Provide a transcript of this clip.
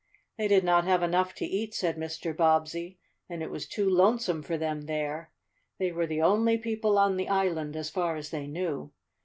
"They did not have enough to eat," said Mr. Bobbsey, "and it was too lonesome for them there. They were the only people on the island, as far as they knew.